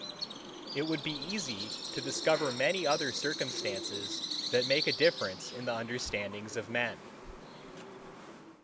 It would be easy to discover many other circumstances that make a difference in the understandings of men.